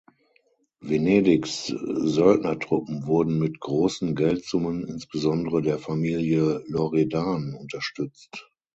Venedigs Söldnertruppen wurden mit großen Geldsummen insbesondere der Familie Loredan unterstützt.